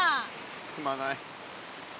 すまない。